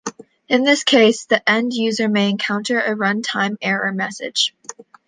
In this case, the end user may encounter a "runtime error" message.